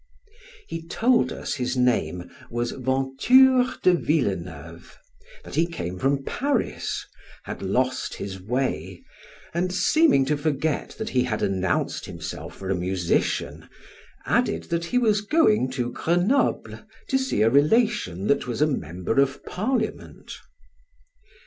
He told us his name was Venture de Villeneuve, that he came from Paris, had lost his way, and seeming to forget that he had announced himself for a musician, added that he was going to Grenoble to see a relation that was a member of Parliament.